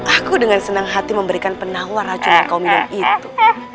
aku dengan senang hati memberikan penawar racun yang kau minum itu